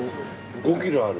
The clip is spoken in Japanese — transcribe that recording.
５キロある？